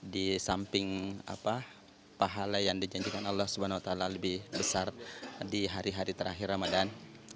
di samping pahala yang dijanjikan allah swt lebih besar di hari hari terakhir ramadan